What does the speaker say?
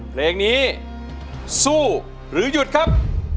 เพลงนี้สู้หรือหยุดครับ